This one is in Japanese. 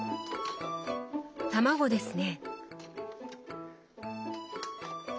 たまごですね。